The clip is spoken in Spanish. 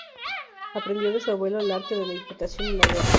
Aprendió de su abuelo el arte de la equitación y la guerra.